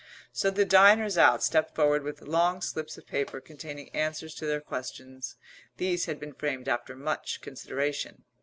So the diners out stepped forward with long slips of paper containing answers to their questions. These had been framed after much consideration.